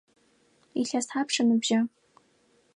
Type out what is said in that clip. Илъэс тхьапш ыныбжьа?